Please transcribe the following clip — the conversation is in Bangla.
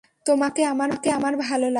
তোমাকে আমার ভালো লাগে।